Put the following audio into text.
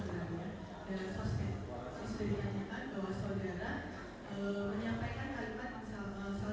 nantinya jika itu dengan perspektif itu tidak mempercewakan